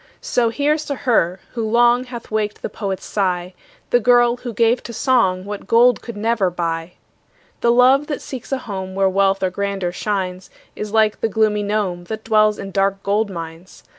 So here's to her, who long Hath waked the poet's sigh, The girl, who gave to song What gold could never buy. The love that seeks a home Where wealth or grandeur shines, Is like the gloomy gnome, That dwells in dark gold mines.